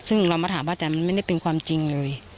ซึ่งเรามาถามว่าอาจารย์มันไม่ได้เป็นความจริงเลย